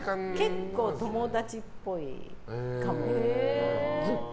結構友達っぽいかも、ずっと。